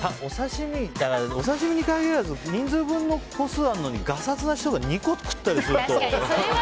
お刺し身に限らず人数分の個数あるのにガサツな人が２個食ったりすると。